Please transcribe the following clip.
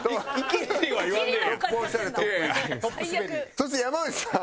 そして山内さん。